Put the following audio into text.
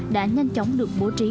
đã nhanh chóng được bố trí